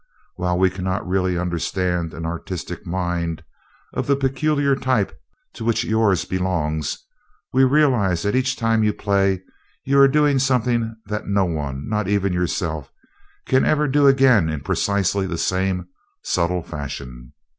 While we cannot really understand an artistic mind of the peculiar type to which yours belongs, yet we realized that each time you play you are doing something that no one, not even yourself, can ever do again in precisely the same subtle fashion.